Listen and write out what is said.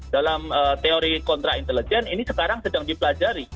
dalam teori kontra intelijen ini sekarang sedang dipelajari